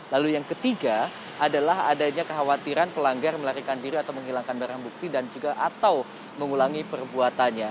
lalu yang ketiga adalah adanya kekhawatiran pelanggar melarikan diri atau menghilangkan barang bukti dan juga atau mengulangi perbuatannya